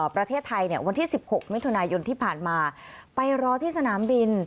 ประเทศไทยเนี่ยวันที่๑๖มิถุนายนที่ผ่านมาไปรอที่สนามบิน